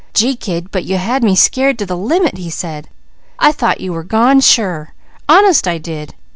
"Gee kid, but you had me scared to the limit!" he said. "I thought you were gone, sure. Honest I did!